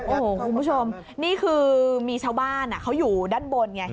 โอ้โหคุณผู้ชมนี่คือมีชาวบ้านเขาอยู่ด้านบนไง